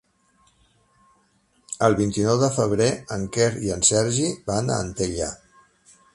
El vint-i-nou de febrer en Quer i en Sergi van a Antella.